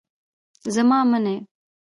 زما منی.